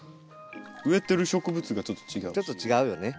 植えてる植物がちょっと違いますね。